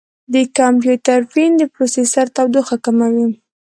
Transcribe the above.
د کمپیوټر فین د پروسیسر تودوخه کموي.